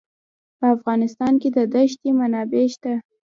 په افغانستان کې د دښتې منابع شته.